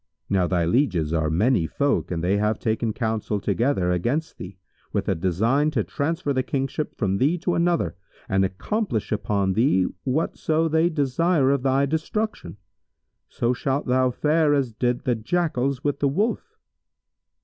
Now thy lieges are many folk and they have taken counsel together against thee, with a design to transfer the Kingship from thee to another and accomplish upon thee whatso they desire of thy destruction. So shalt thou fare as did the Jackals with the Wolf."